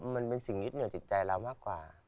มันเป็นสิ่งยึดเหนียวจิตใจเรามากกว่า